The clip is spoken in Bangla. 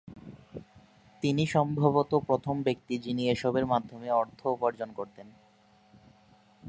তিনি সম্ভবত প্রথম ব্যক্তি যিনি এসবের মাধ্যমে অর্থ উপার্জন করতেন।